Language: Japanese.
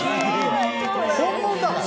本物だから。